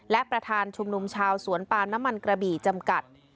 และประธานชุมนุมชาวสวนปาล์มน้ำมันกระบี่จำกัด